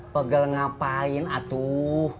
pegel ngapain atuh